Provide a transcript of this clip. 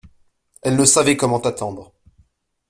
Elle ne savait comment attendre.